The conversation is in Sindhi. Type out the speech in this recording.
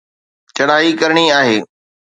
چڙهائي ڪرڻي آهي.